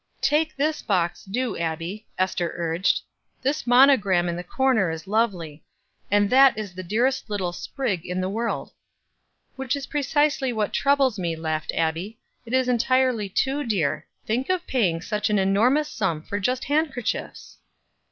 "Take this box; do, Abbie," Ester urged. "This monogram in the corner is lovely, and that is the dearest little sprig in the world." "Which is precisely what troubles me," laughed Abbie. "It is entirely too dear. Think of paying such an enormous sum for just handkerchiefs!"